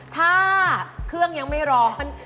ถ้าเครื่องยังไม่ร้อน